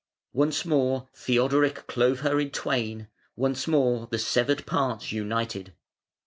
Once more Theodoric clove her in twain; once more the severed parts united.